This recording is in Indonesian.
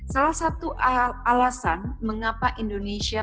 salah satu alasan mengapa indonesia